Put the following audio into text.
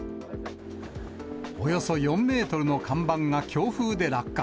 およそ４メートルの看板が強風で落下。